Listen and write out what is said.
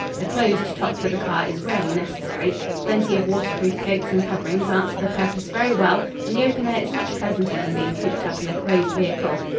A closed top for the car is rarely necessary. Plenty of waterproof coats and coverings answer the purpose very well and the open air is much pleasanter than being cooped up in a closed vehicle.